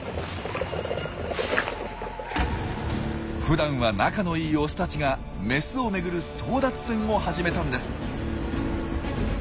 ふだんは仲のいいオスたちがメスをめぐる争奪戦を始めたんです。